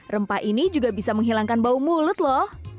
rempah ini juga bisa menghilangkan bau mulut loh